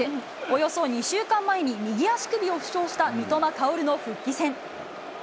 およそ２週間前に右足首を負傷した三笘薫の復帰戦。